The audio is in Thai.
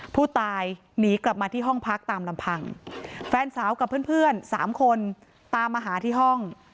ผู้ตายหนีกลับมาที่ห้องพักตามลำพังแฟนสาวกับเพื่อนสามคนตามมาหาที่ห้อง